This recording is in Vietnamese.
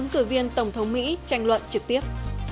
ứng cử viên tổng thống mỹ tranh luận trực tiếp